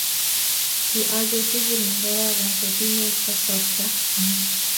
Kit agetugul ne kararan kotinye kasarta nyii.